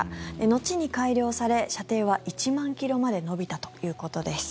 後に改良され射程は１万ｋｍまで延びたということです。